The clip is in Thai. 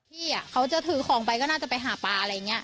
พี่เขาจะถือของไปก็น่าจะไปหาปลาอะไรอย่างนี้